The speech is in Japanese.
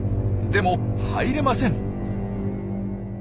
でも入れません。